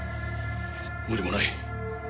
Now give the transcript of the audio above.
無理もない。